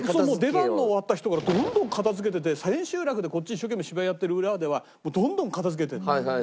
出番の終わった人からどんどん片付けてて千秋楽でこっち一生懸命芝居やってる裏ではどんどん片付けてるの。